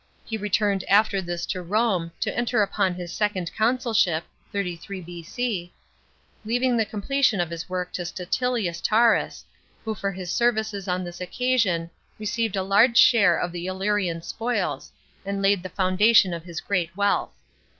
He returned after this to Rome, to enter upon his second consulship (33 B.C.), leaving the completion of his work to Statiiius Taurus, who for his services on this occasion received a large share in the Illyrian spoils, and laid the foundation of his great wealth.